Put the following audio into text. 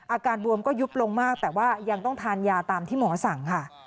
อาการบวมก็ยุบลงมากแต่ว่ายังต้องทานยาตามที่หมอสั่งค่ะ